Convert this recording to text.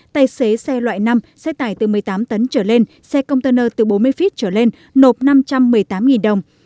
tài xế xe loại năm xe tải từ một mươi tám tấn trở lên xe container từ bốn mươi feet trở lên nộp năm trăm một mươi tám đồng